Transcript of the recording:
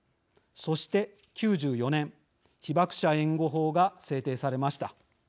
そして、９４年被爆者援護法が制定されました。